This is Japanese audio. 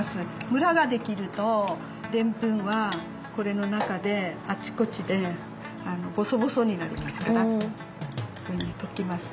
ムラが出来るとデンプンはこれの中であちこちでボソボソになりますからこういうふうに溶きます。